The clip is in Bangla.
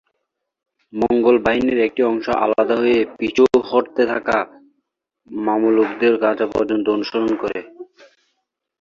মঙ্গোল বাহিনীর একটি অংশ আলাদা হয়ে পিছু হটতে থাকা মামলুকদের গাজা পর্যন্ত অনুসরণ করে।